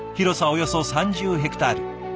およそ３０ヘクタール。